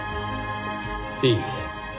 いいえ。